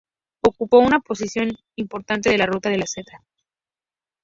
Ocupó una posición importante en la ruta de la Seda.